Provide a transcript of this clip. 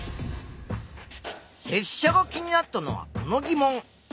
せっしゃが気になったのはこの疑問。